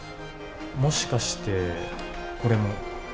もしかしてこれも。